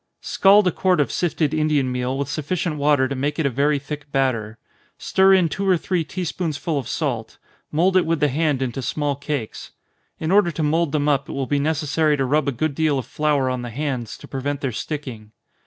_ Scald a quart of sifted Indian meal with sufficient water to make it a very thick batter. Stir in two or three tea spoonsful of salt mould it with the hand into small cakes. In order to mould them up, it will be necessary to rub a good deal of flour on the hands, to prevent their sticking.